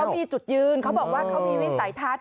มีจุดยืนเขาบอกว่าเขามีวิสัยทัศน์